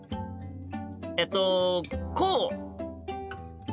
えっとこう？